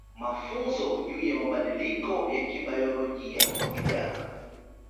Mafunzo juu ya mabadiliko ya kibayolojia kwa vijana